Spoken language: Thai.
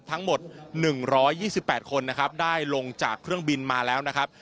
ทั้งหมด๑๒๘คนนะครับได้ลงจากเครื่องบินมาแล้วนะครับ